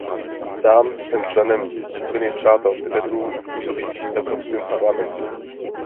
Sám jsem členem skupiny Přátelé Tibetu působící v Evropském parlamentu.